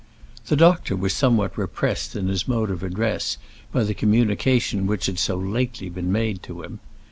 The doctor was somewhat repressed in his mode of address by the communication which had so lately been made to him.